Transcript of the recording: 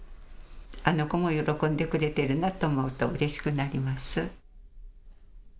あの子も喜んでくれてるなと思うとうれしくなります。